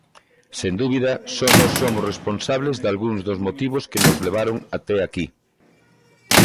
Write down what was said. Sen dúbida, só nós somos responsables dalgúns dos motivos que nos levaron até aquí.